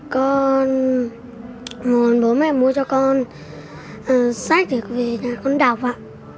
con muốn bố mẹ mua cho con sách để con đọc ạ